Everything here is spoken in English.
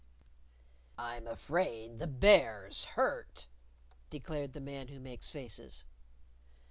"I'm afraid the Bear's hurt," declared the Man Who Makes Faces.